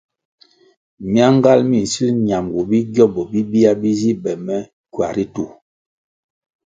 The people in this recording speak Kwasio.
Myangal mi nsil ñamgu bi gyómbo bibia bi zi be me kywa ritu.